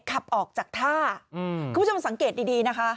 ขับออกจากท่าคุณผู้ชมสังเกตดีนะคะ